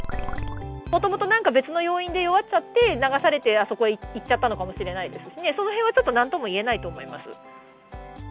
もともとなんか別の要因で弱っちゃって、流されてあそこへ行っちゃったのかもしれないですしね、そのへんは、ちょっとなんともいえないと思います。